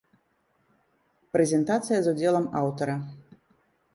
Прэзентацыя з удзелам аўтара.